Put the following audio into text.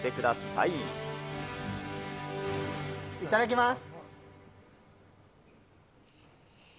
いただきます。